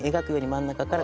真ん中から？